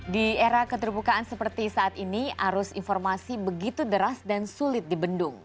di era keterbukaan seperti saat ini arus informasi begitu deras dan sulit dibendung